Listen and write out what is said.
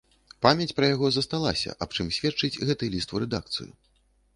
Памяць пра яго засталася, аб чым сведчыць і гэты ліст у рэдакцыю.